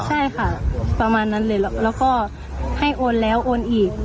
ใช่ค่ะประมาณนั้นเลยแล้วก็ให้โอนแล้วโอนอีก